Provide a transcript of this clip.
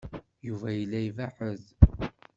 Yuba yella ibeɛɛed.